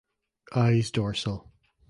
Eyes dorsal.